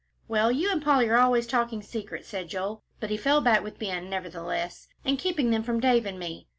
"Well, you and Polly are always talking secrets," said Joel, but he fell back with Ben nevertheless, "and keeping them from Dave and me."